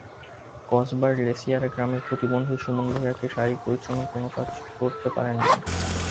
কসবার লেশিয়ারা গ্রামের প্রতিবন্ধী সুমন ভূঁইয়া শারীরিক পরিশ্রমের কোনো কাজ করতে পারেন না।